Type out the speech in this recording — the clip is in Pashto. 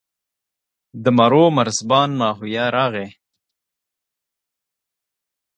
د مرو مرزبان ماهویه راغی.